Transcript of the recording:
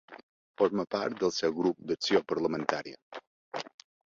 Forma part del seu Grup d'Acció Parlamentària.